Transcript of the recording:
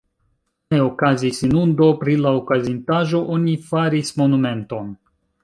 Ne okazis inundo, pri la okazintaĵo oni faris monumenton.